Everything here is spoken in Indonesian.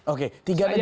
oke tiga negara